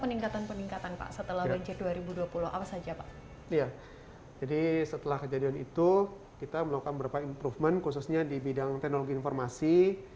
peningkatan pak setelah kejadian itu kita melakukan beberapa improvement khususnya di bidang teknologi informasi